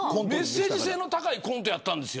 メッセージ性の高いコントやったんです。